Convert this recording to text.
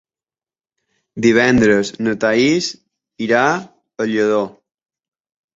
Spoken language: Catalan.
Divendres na Thaís irà a Lladó.